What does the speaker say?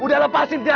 udah lepasin tiara